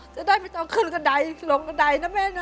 จะได้ไม่ต้องขึ้นกระดายลงบันไดนะแม่นะ